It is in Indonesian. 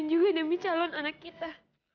dan juga demi calon anak kita